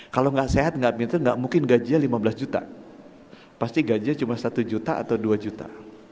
kalau nggak sehat nggak minta nggak mungkin gajinya lima belas juta pasti gajinya cuma satu juta atau dua juta